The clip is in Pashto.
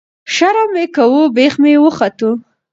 ـ شرم مې کوو بېخ مې وختو.